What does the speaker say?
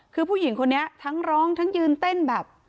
คือผู้หญิงคนนี้ทั้งร้องทั้งยืนเต้นแบบ